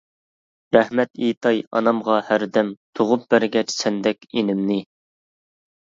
رەھمەت ئېيتاي ئانامغا ھەردەم، تۇغۇپ بەرگەچ سەندەك ئىنىمنى.